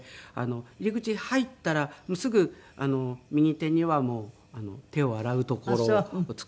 入り口に入ったらすぐ右手にはもう手を洗う所を作ってね